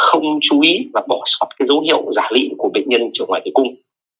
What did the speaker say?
không chú ý và bỏ sót dấu hiệu giả lị của bệnh nhân trường ngoài tử cung